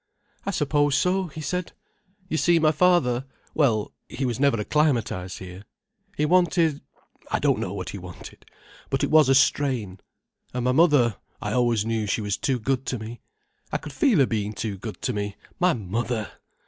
"I suppose so," he said. "You see my father—well, he was never acclimatized here. He wanted—I don't know what he wanted—but it was a strain. And my mother—I always knew she was too good to me. I could feel her being too good to me—my mother!